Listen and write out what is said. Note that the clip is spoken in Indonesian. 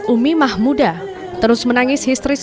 umi mahmuda terus menangis histeris